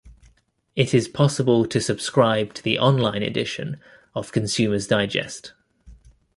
It is possible to subscribe to the on-line edition of Consumers Digest.